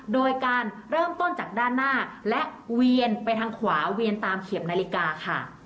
โดยการเริ่มต้นจากด้านหน้าและเวียนไปทางขวาเวียนตามเขียบนาฬิกาค่ะ